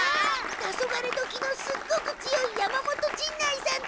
タソガレドキのすっごく強い山本陣内さんと。